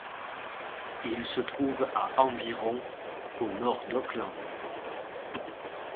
Il se trouve à environ au nord d'Oakland.